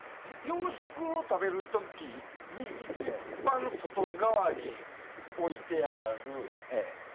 洋食を食べる時に一番外側に置いてある。